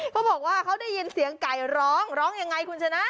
เขาบอกว่าเขาได้ยินเสียงไก่ร้องร้องยังไงคุณชนะ